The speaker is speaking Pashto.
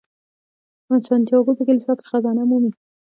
سانتیاګو په کلیسا کې خزانه مومي.